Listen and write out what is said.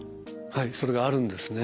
はいそれがあるんですね。